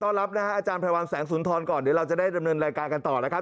รับนะฮะอาจารย์ไพรวัลแสงสุนทรก่อนเดี๋ยวเราจะได้ดำเนินรายการกันต่อนะครับ